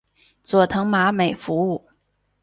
佐藤麻美服务。